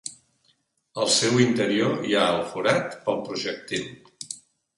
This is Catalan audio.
Al seu interior hi ha el forat pel projectil.